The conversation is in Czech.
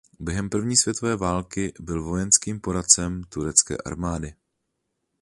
Během první světové války byl vojenským poradcem turecké armády.